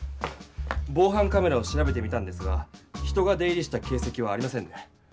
ぼうはんカメラを調べてみたんですが人が出入りした形せきはありませんね。